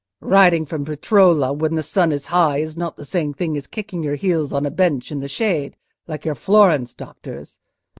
"Riding from Peretola, when the sun is high, is not the same thing as kicking your heels on a bench in the shade, like your Florence doctors.